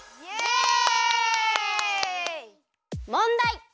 もんだい！